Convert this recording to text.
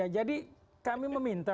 jadi kami meminta